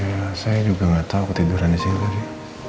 ya saya juga gak tau ketiduran disini tadi